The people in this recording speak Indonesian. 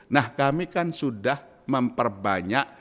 nah kami kan sudah memperbanyak